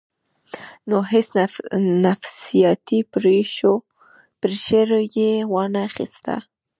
نو هېڅ نفسياتي پرېشر ئې وانۀ خستۀ -